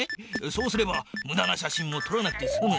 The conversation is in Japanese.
そうすればむだな写真もとらなくてすむ。